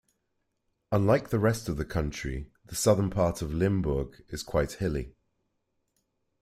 Unlike the rest of the country the southern part of Limburg is quite hilly.